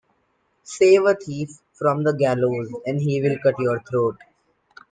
Save a thief from the gallows and he will cut your throat.